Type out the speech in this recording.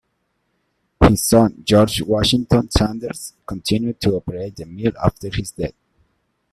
His son George Washington Sanders continued to operate the mill after his death.